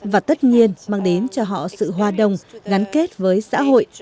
và tất nhiên mang đến cho họ sự hoa đồng gắn kết với xã hội